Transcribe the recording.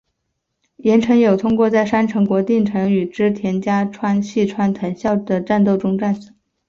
岩成友通在山城国淀城与织田家臣细川藤孝的战斗中战死。